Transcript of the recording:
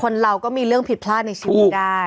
คนเราก็มีเรื่องผิดพลาดในชีวิตได้